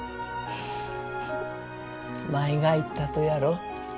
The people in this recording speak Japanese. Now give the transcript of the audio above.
舞が言ったとやろ